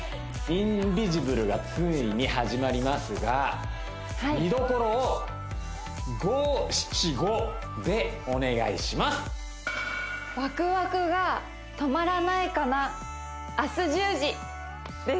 「インビジブル」がついに始まりますが見どころを五七五でお願いしますはあ！